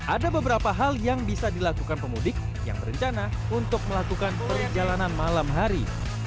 ada beberapa hal yang bisa dilakukan pemudik yang berencana untuk melakukan perjalanan malam hari